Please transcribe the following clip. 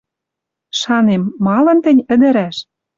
Шанем: «Малын тӹнь, ӹдӹрӓш